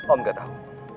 om gak tau